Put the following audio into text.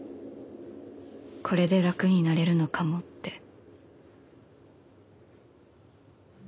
これで楽になれるのかもって。